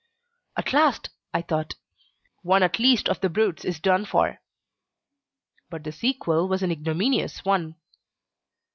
"At last," I thought, "one at least of the brutes is done for." But the sequel was an ignominious one.